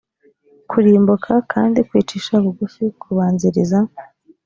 kurimbuka kandi kwicisha bugufi kubanziriza